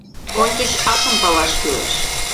Ончыч акым палаш кӱлеш.